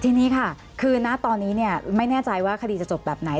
ทีนี้ค่ะคือณตอนนี้ไม่แน่ใจว่าคดีจะจบแบบไหน